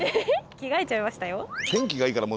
着替えちゃいましたよ。